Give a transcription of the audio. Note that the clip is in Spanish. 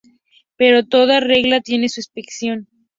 Pero toda regla tiene su excepción.